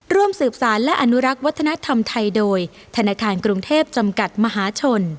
ร่วมสืบสารและอนุรักษ์วัฒนธรรมไทยโดยธนาคารกรุงเทพจำกัดมหาชน